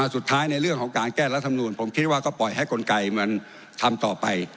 ในเรื่องของการแก้รัฐมนูลผมคิดว่าก็ปล่อยให้กลไกมันทำต่อไป